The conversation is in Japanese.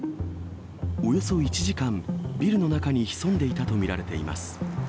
およそ１時間、ビルの中に潜んでいたと見られています。